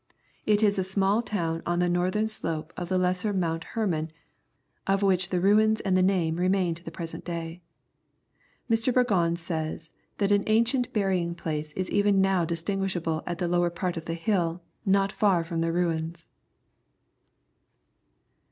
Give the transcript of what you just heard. It is a small town on the northern slope of the lesser Mount Hermon, of which the ruins and the name remain to the present day. Mr. Burgon says, that an ancient burying place is even now distinguishable at the lower part of the hill, not far from the ruins.